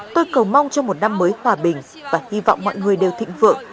tôi cầu mong cho một năm mới hòa bình và hy vọng mọi người đều thịnh vượng